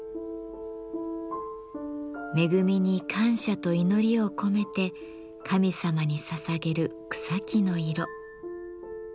恵みに感謝と祈りを込めて神様にささげる草木の色。